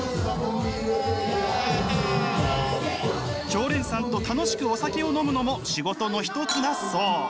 常連さんと楽しくお酒を飲むのも仕事の一つだそう。